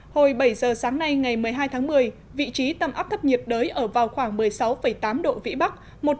hồi bảy giờ sáng nay ngày một mươi hai tháng một mươi vị trí tâm áp thấp nhiệt đới ở vào khoảng một mươi sáu tám độ vĩ bắc